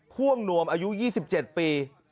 พ่วงนวมอายุ๒๗ปี